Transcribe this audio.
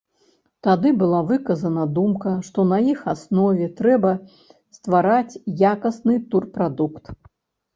Тады была выказана думка, што на іх аснове трэба ствараць якасны турпрадукт.